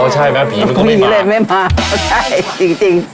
ใช่ไหมผีมันก็ไม่มีเลยแม่พาใช่จริง